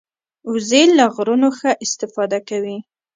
وزې له غرونو ښه استفاده کوي